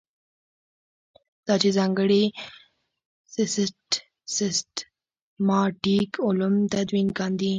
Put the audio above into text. دا چې ځانګړي سیسټماټیک علوم تدوین کاندي.